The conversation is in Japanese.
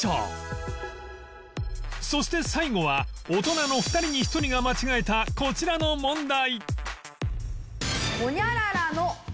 そして最後は大人の２人に１人が間違えたこちらの問題